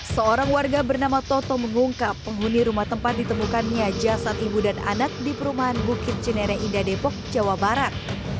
seorang warga bernama toto mengungkap penghuni rumah tempat ditemukannya jasad ibu dan anak di perumahan bukit cenere indah depok jawa barat